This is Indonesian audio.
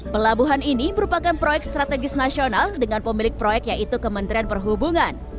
pelabuhan ini merupakan proyek strategis nasional dengan pemilik proyek yaitu kementerian perhubungan